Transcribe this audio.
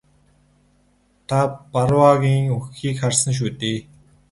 Та Барруагийн үхэхийг харсан шүү дээ?